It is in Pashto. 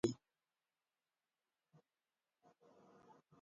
د علم او عقل خاوندان اعتراف کوي.